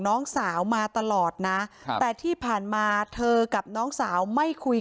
น้องสาวมาตลอดนะครับแต่ที่ผ่านมาเธอกับน้องสาวไม่คุย